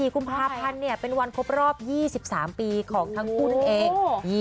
๒๔กุมภาพันธ์เนี่ยเป็นวันครบรอบ๒๓ปีของทั้งคุณเอง